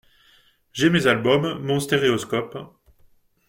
J’ai mes albums, mon stéréoscope…